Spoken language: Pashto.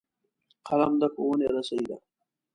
قلم د ښوونې رسۍ ده